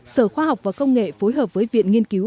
sở khoa học và công nghệ phối hợp với viện nghiên cứu